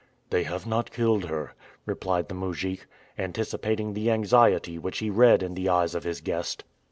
"They have not killed her," replied the mujik, anticipating the anxiety which he read in the eyes of his guest.